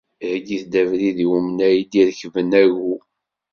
Heyyit abrid i umnay i d-irekben agu.